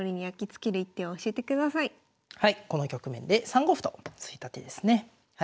この局面で３五歩と突いた手ですね。